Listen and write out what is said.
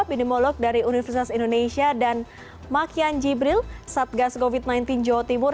epidemiolog dari universitas indonesia dan makian jibril satgas covid sembilan belas jawa timur